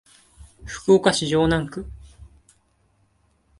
福岡市城南区